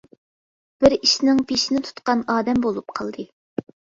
بىر ئىشنىڭ پېشىنى تۇتقان ئادەم بولۇپ قالدى.